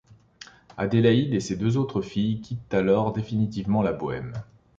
Adélaïde et ses deux autres filles quittent alors définitivement la Bohême.